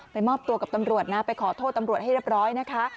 มอบตัวกับตำรวจนะไปขอโทษตำรวจให้เรียบร้อยนะคะ